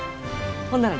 ほんなら。